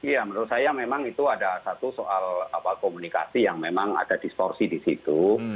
ya menurut saya memang itu ada satu soal komunikasi yang memang ada distorsi di situ